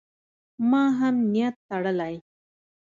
ما هم نیت تړلی.